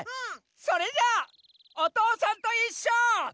それじゃ「おとうさんといっしょ」。